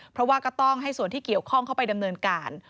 เพราะว่าก็ต้องให้ส่วนที่เกี่ยวข้องเข้าไปดำเนินการ